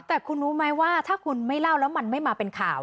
แต่คุณรู้ไหมว่าถ้าคุณไม่เล่าแล้วมันไม่มาเป็นข่าว